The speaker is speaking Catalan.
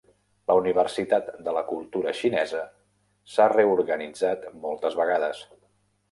La Universitat de la Cultura Xinesa s'ha reorganitzat moltes vegades.